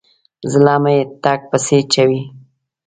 زړه مې ټک پسې چوي.